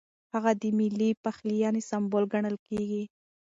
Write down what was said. هغه د ملي پخلاینې سمبول ګڼل کېږي.